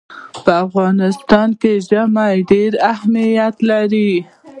په افغانستان کې ژمی ډېر اهمیت لري.